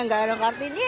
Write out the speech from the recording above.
nggak ada yang kartini